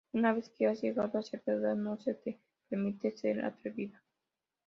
Una vez que has llegado a cierta edad, no se te permite ser atrevida.